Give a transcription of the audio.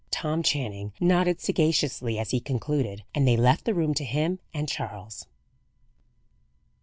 Tom Channing nodded sagaciously as he concluded, and they left the room to him and Charles.